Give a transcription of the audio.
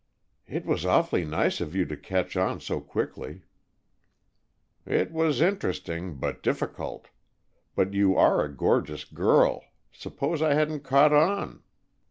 "It was awfully nice of you to catch on so quickly." "It was interesting, but difficult. But you are a courageous girl! Suppose I hadn't caught on?"